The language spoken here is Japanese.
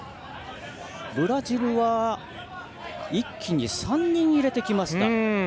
ブラジルは一気に３人入れてきました。